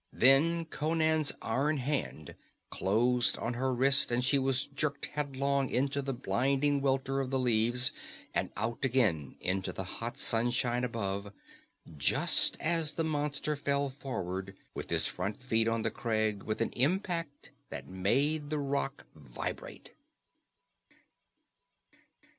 Then Conan's iron hand closed on her wrist and she was jerked headlong into the blinding welter of the leaves, and out again into the hot sunshine above, just as the monster fell forward with his front feet on the crag with an impact that made the rock vibrate.